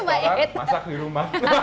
masak restoran masak di rumah